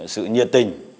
sự nhiệt tình